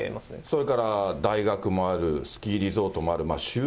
それから大学もある、スキーリゾートもある。